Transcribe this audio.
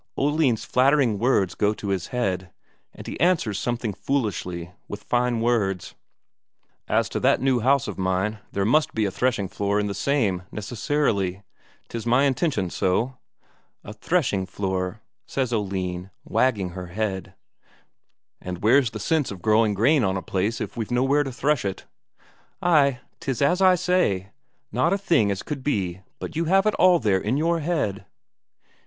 Oline's flattering words go to his head, and he answers something foolishly with fine words: "As to that new house of mine, there must be a threshing floor in the same, necessarily. 'Tis my intention so." "A threshing floor?" says Oline, wagging her head. "And where's the sense of growing corn on the place if we've nowhere to thresh it?" "Ay, 'tis as I say, not a thing as could be but you have it all there in your head."